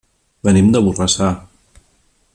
Venim de Borrassà.